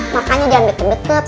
makanya jangan deket deket